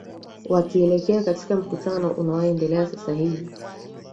wakielekea katika mkutano unaoendelea sasa hivi